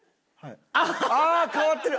ああー変わってる！